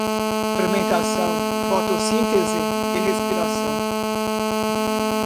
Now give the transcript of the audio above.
Fermentação, fotossíntese e respiração